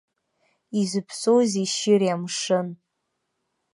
Изыԥсоузеи шьыри амшын.